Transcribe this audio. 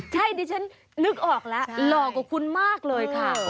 ใช่ดิฉันนึกออกแล้วหล่อกว่าคุณมากเลยค่ะ